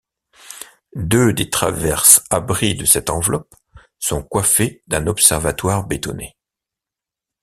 Deux des traverses-abris de cette enveloppe sont coiffées d'un observatoire bétonné.